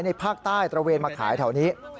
ภาคใต้ตระเวนมาขายแถวนี้